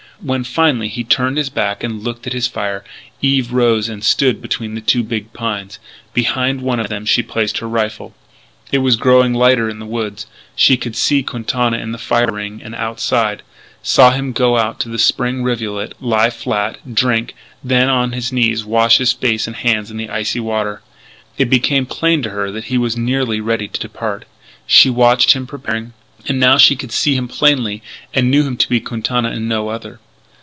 When, finally, he turned his back and looked at his fire, Eve rose and stood between the two big pines. Behind one of them she placed her rifle. It was growing lighter in the woods. She could see Quintana in the fire ring and outside, saw him go to the spring rivulet, lie flat, drink, then, on his knees, wash face and hands in the icy water. It became plain to her that he was nearly ready to depart. She watched him preparing. And now she could see him plainly, and knew him to be Quintana and no other.